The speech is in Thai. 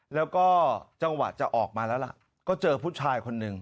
แล้วก็จังหวะจะออกมาแล้วล่ะก็เจอผู้ชายคนหนึ่ง